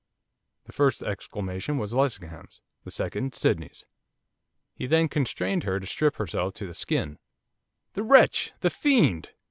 The first exclamation was Lessingham's, the second Sydney's. 'He then constrained her to strip herself to the skin ' 'The wretch!' 'The fiend!